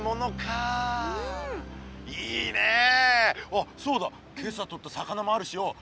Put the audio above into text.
あっそうだ今朝とった魚もあるしよ。